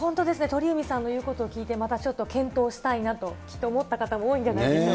鳥海さんの言うことを聞いてまたちょっと検討したいなと、木っと思った方も多いかと思います。